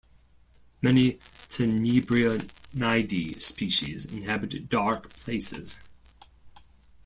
Many Tenebrionidae species inhabit dark places.